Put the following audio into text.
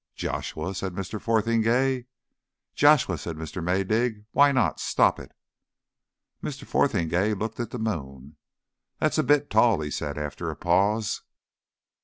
"Joshua?" said Mr. Fotheringay. "Joshua," said Mr. Maydig. "Why not? Stop it." Mr. Fotheringay looked at the moon. "That's a bit tall," he said after a pause.